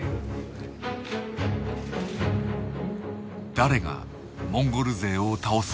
誰がモンゴル勢を倒すのか。